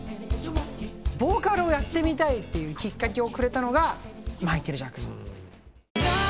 ボーカルをやってみたいっていうきっかけをくれたのがマイケル・ジャクソン。